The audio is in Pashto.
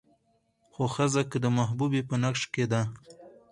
خو ښځه که د محبوبې په نقش کې ده